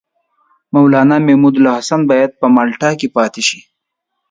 مولنا محمودالحسن باید په مالټا کې پاته شي.